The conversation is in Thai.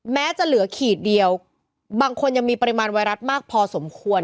แม้จะเหลือขีดเดียวบางคนยังมีปริมาณไวรัสมากพอสมควร